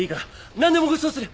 何でもごちそうする！